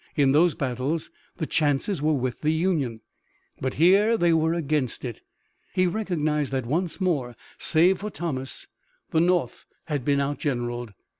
In those battles the chances were with the Union, but here they were against it. He recognized that once more, save for Thomas, the North had been outgeneraled.